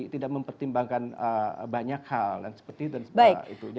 tidak mempertimbangkan banyak hal yang seperti itu dan sebagainya